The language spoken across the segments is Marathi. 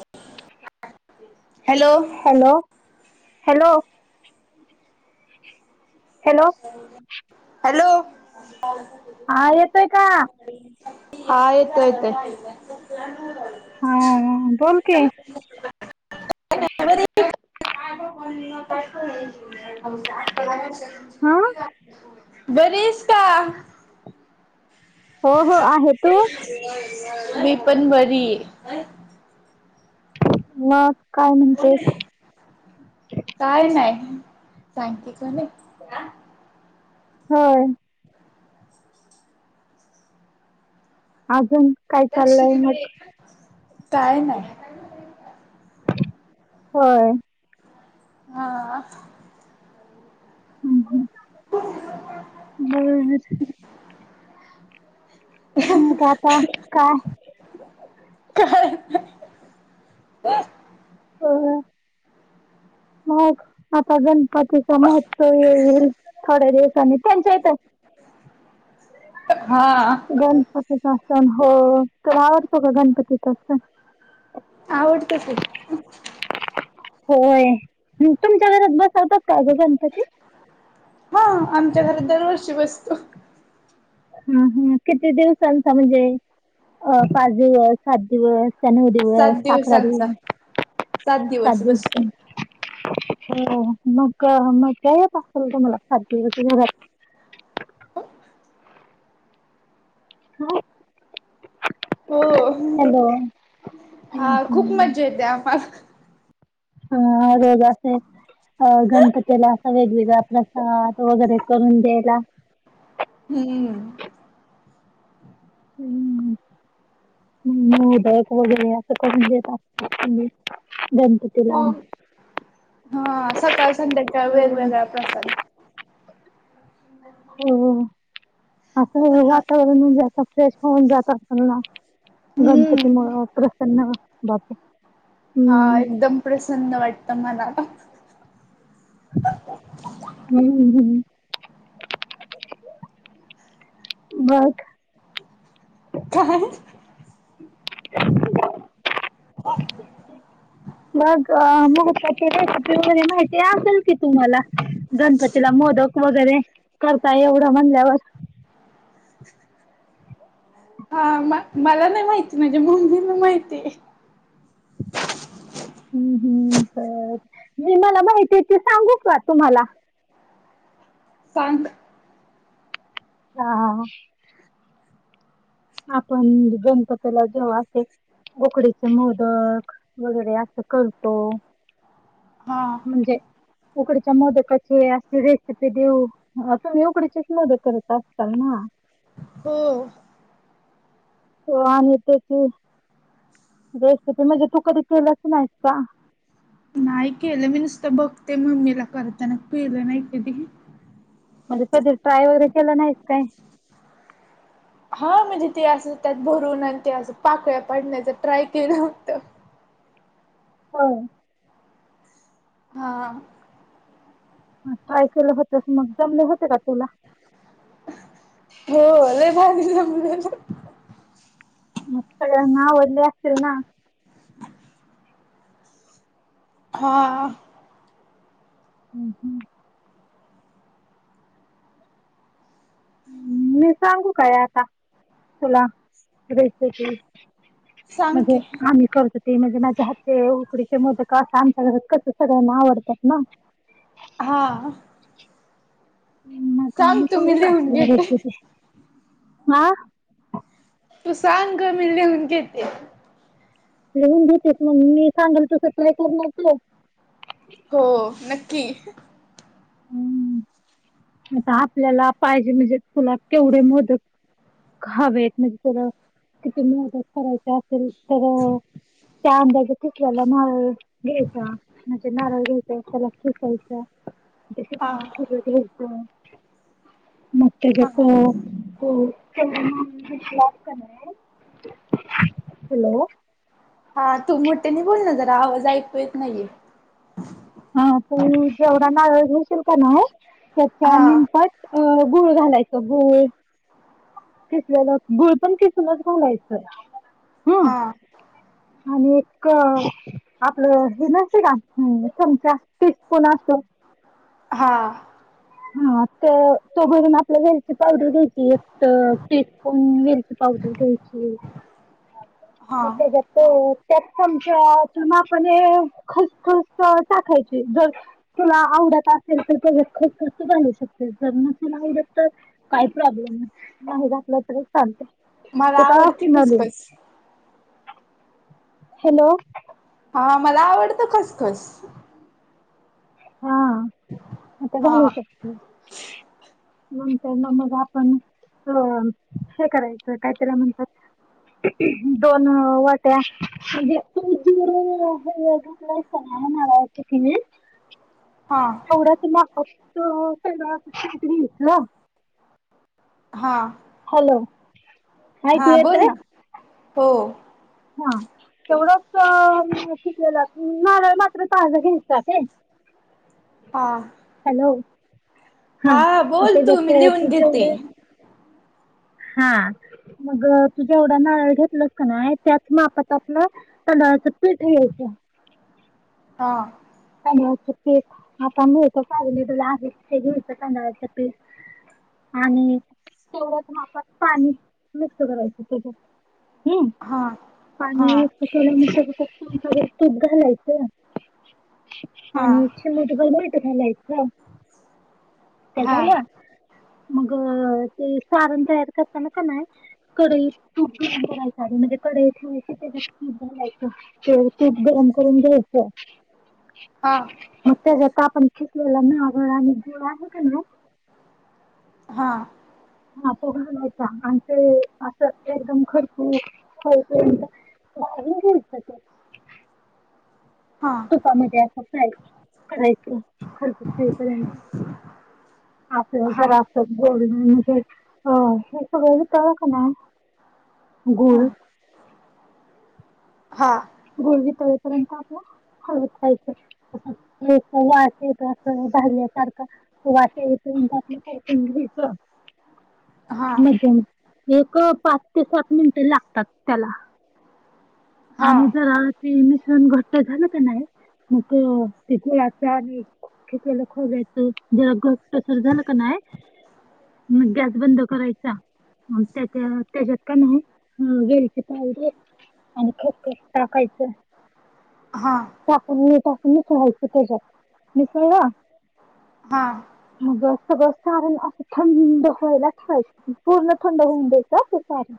ह hello hello hello hello, hello, हा येतोय का? हा येतो येत. हा बोल की [inaudible] [unintelligible] हा बरीस का? हो हो आहे तू. मी पण बरी ना काय नाही सांगतेिक नाही. हो. अजून काय चाललंय मग काय नाही. होय. हा बरर मग आता काय [unintelligible] काय हो हो ह पगण पतिसा महोत्सव येईल थोड्या दिवसांनी त्यांच्या येत हा असंच असत हो तर आवडतो का गणपतीच अस आवडत तू होय तुमच्या घरात बसवतात का ग गणपती हा आमच्या घरात दरवर्षी बसतो हा हा किती दिवसांचा म्हणजे पाच दिवस सात दिवस शन् दिवस सात साखरा दिवसांचा दिवस दिवस सात बसतो दिवस हो मग मग का यात असल तुमला सारखी घरात ह हो हो अ हा खूप मज्जा येते आम्हाला हा जा असय अ गणपतीला असा वेगवेगळा प्रसाद वगैरे करून द्यायला हम्म हम्म मोदक वगैरे असंण देत अस हो हा सकाळ संध्याकाळ हो वेगवेगळ्या प्रसाद हो असं हा. वातावरण जा फ्रेश होऊन जात असल ना गणपती मु हम्म प्रसन्न बाबे हा एकदम प्रसन्न वाटतं मला हम् हम् बत काय ह मग मग त्याची रेसिपी वगैरे माहिती असेल की तुम्हाला गणपतीला मोदक वगैरे करता एवढं म्हणल्यावर हा म मला नाही माहिती माझ्या मम्मीला माहिती हम् हम् बर मी मला माहिती आहे ते सांगू का तुम्हाला सांग हा आपण गणपतीला जेव्हा असेल उकडीचे मोदक वगैरे असं करतो हां ककड चमदकचे अस रेसपी देऊ ता् उकडी चष्मा ब करत असताल ना हो हो आणि तेची वेस् म्हणजे तू कधी केलाच नाहीस का नाही केलं मी नुसतं बघते मम्मीला करताना केलं नाही कधी म्हणजे कध ट्राय वगैरे केला नाहीच काय हा म्हणजे ते असं त्यात भरून आणि ते असं पाकळ्या पडण्याच ट्राय केलं होत हो हा काय केलं होतस मग जमले होते का तुला हो लय भारीजम म सगळ्यांना आवडले असतील ना. हा. हम्म हम्म. मी सांगू काय आता तुला सांग म्हणजे की आम्ही करत ते म्हणजे माझ्या हातचे उकडीचे मोदक सामतक सगळ्यांना आवडतात ना. हा. नका सांग मी तू काडी लिहून घेते पालागायच ते हा. तू सांग मी लिहून घेते. लिहून देतेस मग मी सांगल तस करणारच ते. हो नक्की. हम्म. आता आपल्याला पाहिजे म्हणजे तुला केवढे मोदक हवेत म्हणजेला किती मदत करायची असेल तर चां अंदाजे किसलेला नारळ घ्यायचा म्हणजे नारळ घ्यायचा त्याला किसायचा हा खोबरं घ्याय च मग हा त्याच्यात [unintelligible] हॅलो. हा तू मोठे नाही बोल ना जरा आवाज ऐकू येत नाहीये. हा तू जेवढा नारळ घेशील की नाय त्याच्या हा निमपट अ गुळ घालायचं गुळ किसलेला गुळ पण किसूनच घालायचं. हम्म हा. आणि एक आपलं हे नसत का चमचा टीस्पून असतो हा. हा तो घरून आपल्या वेलची पावडर घ्यायच एक टीस्पून विरची पावडर घ्यायची हा मग त्याच्यात तर त्याच चमच्याच्या मापणे खसखस टाकायची जर तुला आवडत असेल तर तो खूप शकते जर न तर काही प्रॉब्लेम नाही नाही घातलं तर चालते. मला ते का आवडती हसुन राह्यले खसखस हॅलो. हा मला आवडतं खसखस. हा मता हा घालू शकते. नंतर ना मग आपण अ हे करायचं काहीतरी म्हणतात दोन वाट्या म्हणे [unintelligible] हा. तेवढाच मा [unintelligible] घेतलं. हा. हॅलो. ऐकू हा बोल येतंय? ना हो. हा तेवढच शिकलेला माारळ मात्र ताज घ्यायतात आहे. [inaudible] हा. हॅलो हा बोल ते ज तू मी लिहून तु घेते जेवढ हा मग तू जेवढ नारळ घेतलंस का ना त्यात मग आपत आपलं तांदळाच पिठ घ्यायच. हा. तांदळाच पीठ आपण घेतो ते अवेलेबल आहे तांदळाचं पीठ आणि थोड्यात मापात पाणी मिक्स करायचं त्याच्यात. हम् हा हा पाणी पसवल्यामुळे सगतूध घालायचं. हा आणि शे म तुला भेट झालायच त्या हा झालं. मग ते सारण तयार करताना का नाही. कडई तू कराय म्हणजे कडई ठेवायची त्याच्यात तूलायचं ते तूप गरम करून घ्यायचं. हा मग तेच आता आपण शिकलेलं नारळ आणि गुळ आहे का ना. हां. हा तो घालायचा आण असं एकदम खरपू खपर्यंत त ते हा. तुपामध्ये असं फाय करायचं खरगईपर्यंत हां आपर ग म्हणजे अ हे सगळ तळक ना गुड हा. गोरवी तळेपर्यंत आपलं हळवत रायचं. वाट येत अस भरल्यासारखं त वाच येत आप का? हां मध्ये एक पाच ते सात मिनिटं लागतात त्याला हां आणि जर तेमशन घट्ट झालं तर नाही मग तिथे त्याने खेकलेला खो्यायच जरा घटसर झालं का नाही. मग गॅस बंद करायचा. त्याच्या त्याच्यात का नाही वेलचे पाल आणि खप टाकायचं. हां टाकून टाकूनचय जात विसर वा. हा. बसत बस ण असं थंड व्हायलाच ठेवायची. पूर्ण थंड होऊन द्यायच ते सारे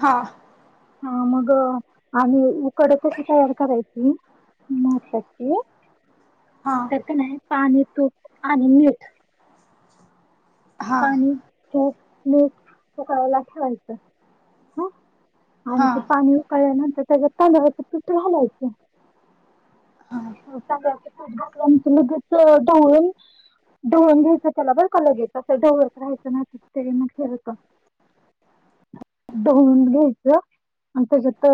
हां हां हा मग आणि कडक्याची तयार करायची मत्ची तरत नाही. पाणी तूप आणि मीठ हां हां हां पाणी तूप मूप उकयला ठेवायचं हा. आणि ते हां पाणी उकळल्यानंतर त्याच्या तांदळाच तुट घालायचं. चांगचूल्या लगेच ढवळून ढवळून घ्यायचं. त्याला बर का लगेच असं ढवळत राहायं नात ते मग हे होत. धुवून घ्यायचं. आणि त्याच्यात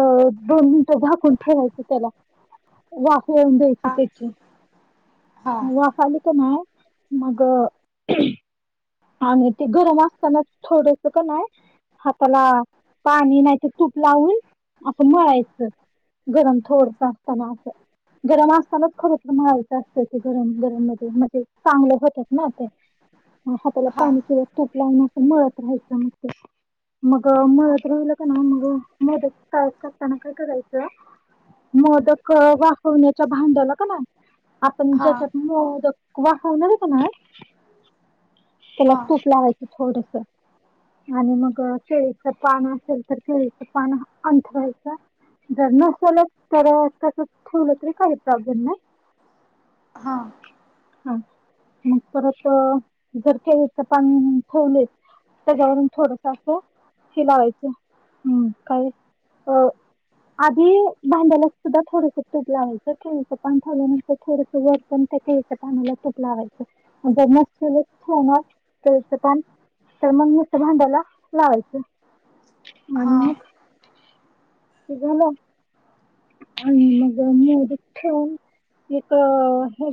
दोन मिनिटं झाकून ठेवायच त्याला वाफ येन द्याय. हां वाफाली आली की नाही मग आणि ते गरम असतानाच थोडस का नाही. हाताला पाणी नाही तर तूप लावून असं मळायचं. गरम थोडस असताना असं. गरम असतानाच खरंच मळायचं असतं ते गरम गरमध्ये म्हणजे चांगलं होतात ना ते हाताला पाणी किंवा तूप लावून अस मळत राहायचं मग ते मग मळत राहिलं का ना मग मोदक तयार करताना काय करायचं. मोदक वापवण्याच्या भांड्याला का नाही. आपण हां हां हां हां हां हां ज्याच्यात मोदक वाफवणार आहे की नाही. त्याला तूप लावायचं थोडस. आणि मग केळीच पान असेल तर केळीच पान अंथरायचं. जर नसेल तर तस ठेवलं तरी काही प्रॉब्लेम नाही. हां हा मग परत जर केलीच पान खोवलेत. त्याच्यावरून थोडस असं हे लावायचं हम्म काही अ आधी भांड्यालास सुद्धा थोडसं तूप लावायचं खच पण ठेवलं नाही थोडस वरण त्या पानाला तुप लावायचं मस्त श ठेवणारचं पान तर मगच्या भांड्याला लावायचं मण हां मख त झाल आणि मग मोर ठन एक हे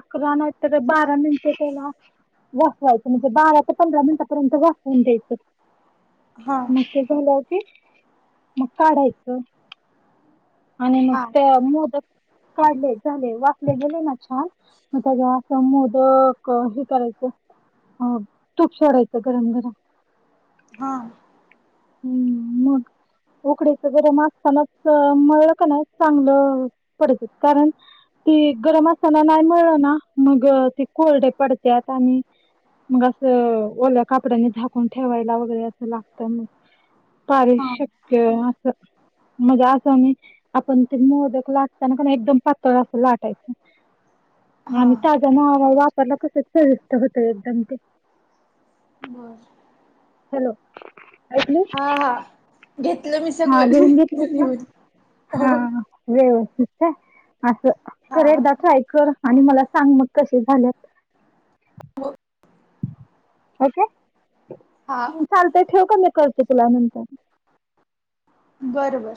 अकरा नाट तरर बारा नच त्याला वस व्हायचं म्हणजे बारा ते पंधरा मिनिटापर्यंत वास होन द्यायचं मग ते झालाव की मग काढायचं आणि मग त्या मोदक काढले झाले वाफले गेले ना छान मग त्या अस मोदक हे करायचं अ तूप सोडायचं गरम गरम हा ह् मग उकडीच गरम असतानाच मळळ का नाही चांगलं पडत कारण ते गरम असताना नाही मिळलं ना मग ते कोल्ड पडतत आणि मग असं ओल्या कापड्यांनी झाकून ठेवायला वगैरे असं लागतं मग पार शक्य असं म्हणजे असं म आपण ते मोदक लाटताना का एकदम पातळ असं लाटायचं आणि हां ताज ना वापरला तस जास्त होत एकदम ते बर हॅलो ऐकलीस हां हां घेतलं मी हा सगळं लिहून घेतलीस ना हो हा हा व्यवस्थित असं कर हां एकदा ट्राय कर आणि मला सांग मग कसे झालेत होब ओके हा चालत ठेव का मी करते तुला नंतर बर बर